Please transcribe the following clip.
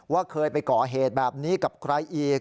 เคยไปก่อเหตุแบบนี้กับใครอีก